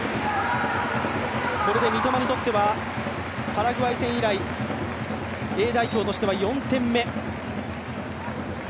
これで三笘にとってはパラグアイ戦以来Ａ代表としては４点目。